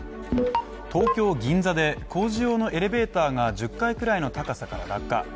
東京・銀座で工事用のエレベーターが１０階ぐらいの高さから落下。